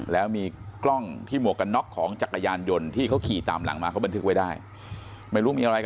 แล้วมีกล้องที่หมวกกันน็อกของจักรยานยนต์ที่เขาขี่ตามหลังมาเขาบันทึกไว้ได้